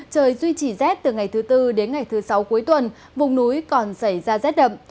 trời duy trì rét từ ngày thứ tư đến ngày thứ sáu cuối tuần vùng núi còn xảy ra rét đậm